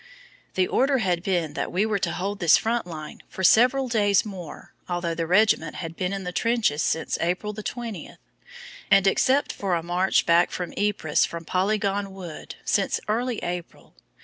The order had been that we were to hold this front for several days more although the regiment had been in the trenches since April the 20th, and, except for a march back to Ypres from Polygon Wood, since early April.